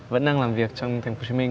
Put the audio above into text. vẫn đang làm việc trong thành phố hồ chí minh